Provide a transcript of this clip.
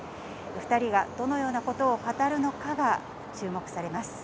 ２人がどのようなことを語るのかが注目されます。